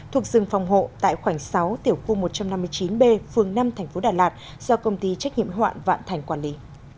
thuộc rừng phòng hộ tại khoảng sáu tiểu khu một trăm năm mươi chín b phường năm tp đà lạt do công ty trách nhiệm hoạn vạn thành quản lý